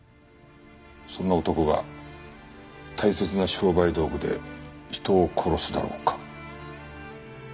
そんな男が大切な商売道具で人を殺すだろうか。